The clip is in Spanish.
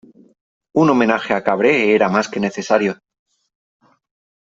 Un homenaje a Cabré era más que necesario.